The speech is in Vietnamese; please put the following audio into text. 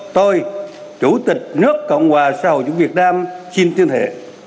tôi chủ tịch nước cộng hòa xã hội chủ việt nam xin tuyên thệ